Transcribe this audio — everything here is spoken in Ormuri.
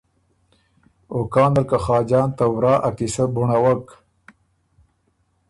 او کان ال که خاجان ته ورا ا قیصۀ بُنړوَک